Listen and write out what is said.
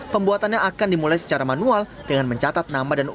pembuatannya akan dimulai secara manual dengan mencatat nama dan uang